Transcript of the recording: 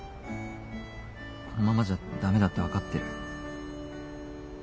このままじゃダメだって分かってる。